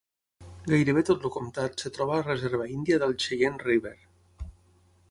Gairebé tot el comtat es troba a la reserva índia del Cheyenne River.